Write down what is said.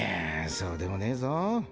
そうでもねぇぞ。